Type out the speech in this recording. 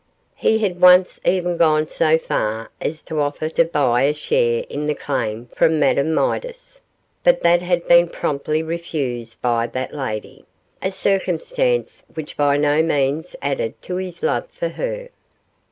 He had once even gone so far as to offer to buy a share in the claim from Madame Midas, but had been promptly refused by that lady a circumstance which by no means added to his love for her.